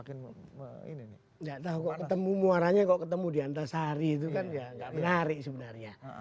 enggak tahu ketemu muaranya kok ketemu di antara sari itu kan enggak menarik sebenarnya